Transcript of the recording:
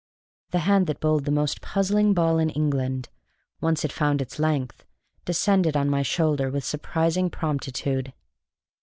The hand that bowled the most puzzling ball in England (once it found its length) descended on my shoulder with surprising promptitude.